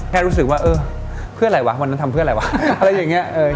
แค่รู้สึกว่าเออเพื่ออะไรวะวันนั้นทำเพื่ออะไรวะอะไรอย่างนี้